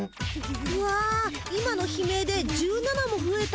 うわ今の悲鳴で１７もふえた。